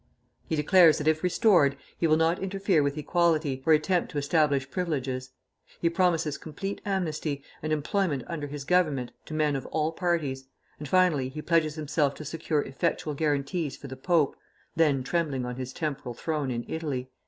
He declares that if restored he will not interfere with equality, or attempt to establish privileges. He promises complete amnesty, and employment under his government to men of all parties; and finally he pledges himself to secure effectual guarantees for the Pope [then trembling on his temporal throne in Italy]."